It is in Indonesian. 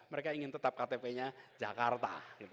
mereka ingin tetap ktp nya jakarta